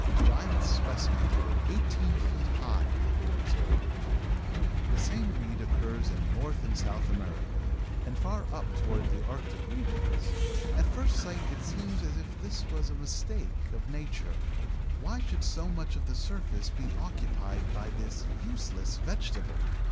Giant specimens of it eighteen feet high have been observed. The same reed occurs in North and South America and far up towards the Arctic regions. At first sight it seems as if this was a mistake of Nature; why should so much of the surface be occupied by this useless vegetable?